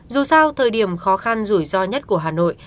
dù sau thời điểm khó khăn rủi ro nhất của hà nội